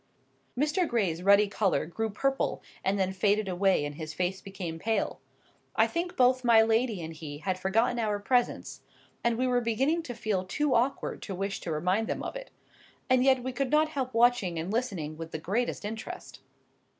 Mr. Gray's ruddy colour grew purple and then faded away, and his face became pale. I think both my lady and he had forgotten our presence; and we were beginning to feel too awkward to wish to remind them of it. And yet we could not help watching and listening with the greatest interest.